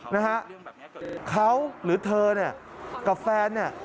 นะฮะเขาหรือเธอเนี่ยกับแฟนเนี่ย